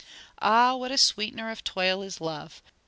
Ah what a sweetener of toil is love!